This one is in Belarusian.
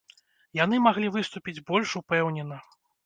Яны маглі выступіць больш упэўнена.